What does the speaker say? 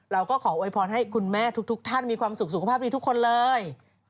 เราก็ขอโวยพรให้คุณแม่ทุกท่านมีความสุขสุขภาพดีทุกคนเลย